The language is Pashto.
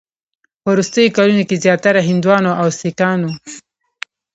په وروستیو کلونو کې زیاتره هندوانو او سیکانو